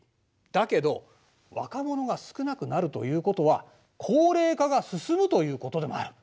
だけど若者が少なくなるということは高齢化が進むということでもある。